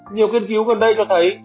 nhiều kiên cứu gần đây cho thấy